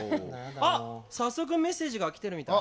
あっ早速メッセージが来てるみたい。